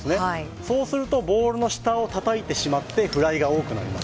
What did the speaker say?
そうすると、ボールの下をたたいてフライが多くなる。